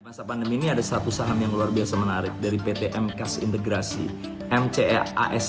masa pandemi ini ada satu saham yang luar biasa menarik dari pt m k s integrasi mce ash